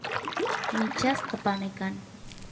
michasqa panay kan